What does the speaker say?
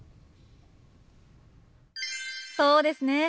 そうですね。